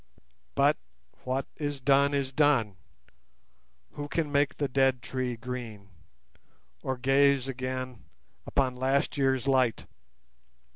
But what is done is done. Who can make the dead tree green, or gaze again upon last year's light?